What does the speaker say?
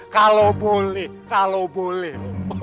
kalau boleh kalau boleh